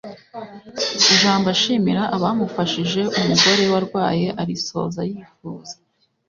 ijambo ashimira abamufashije umugore we arwaye arisoza yifuza